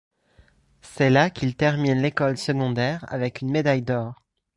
C'est là qu'il termine l'école secondaire avec une médaille d'or.